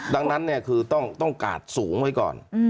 ดังนั้นเนี่ยคือต้องกะสูงไว้ก่อน